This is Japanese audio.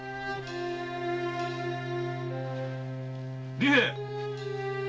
利平！